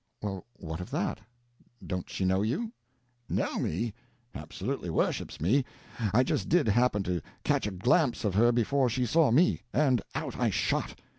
"Well, what of that? don't she know you?" "Know me? Absolutely worships me. I just did happen to catch a glimpse of her before she saw me and out I shot.